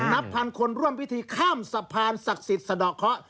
นับพันคนร่วมพิธีข้ามสะพานศักดิ์สิทธิ์สะดอกเคาะ